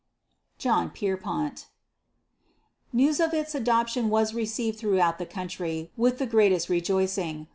JOHN PIERPONT. News of its adoption was received throughout the country with the greatest rejoicing.